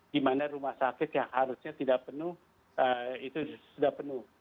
di mana rumah sakit yang harusnya tidak penuh itu sudah penuh